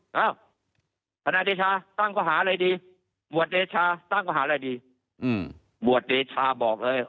เอ้าทนายเดชาตั้งข้อหาอะไรดีหัวเดชาตั้งข้อหาอะไรดีอืมหัวเดชาบอกเลย